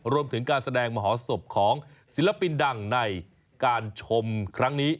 รวมถึงการแสดงมหศพของศิลปินดังในการชมครั้งนี้